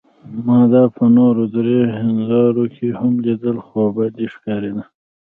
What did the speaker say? ما دا په نورو درې هندارو کې هم لیدل، خوابدې ښکارېده.